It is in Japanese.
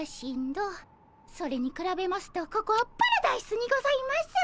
それにくらべますとここはパラダイスにございます。